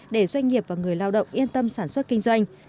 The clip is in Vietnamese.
để doanh nghiệp và người lao động yên tâm sản xuất kinh doanh